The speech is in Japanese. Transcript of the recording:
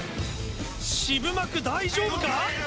渋幕大丈夫か？